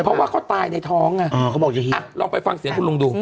เพราะว่าเขาตายในท้องพอจะอ่าลองไปฟังเสียวนี้คุณลุงดู